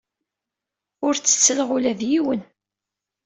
Ur ttettleɣ ula d yiwen.